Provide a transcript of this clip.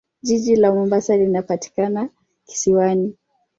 Jiji la Mombasa linapatikana kisiwani.